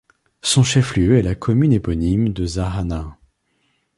Son chef lieu est la commune éponyme de Zahana.